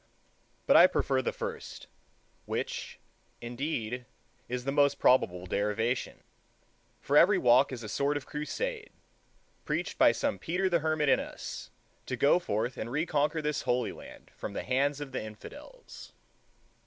But I prefer the first, which, indeed, is the most probable derivation. For every walk is a sort of crusade, preached by some Peter the Hermit in us, to go forth and reconquer this Holy Land from the hands of the Infidels.